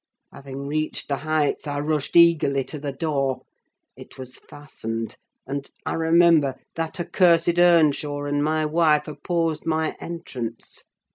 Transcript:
Having reached the Heights, I rushed eagerly to the door. It was fastened; and, I remember, that accursed Earnshaw and my wife opposed my entrance.